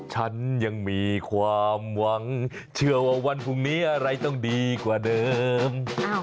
ฉันยังมีความหวังเชื่อว่าวันพรุ่งนี้อะไรต้องดีกว่าเดิม